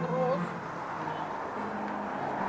ruding ruding terus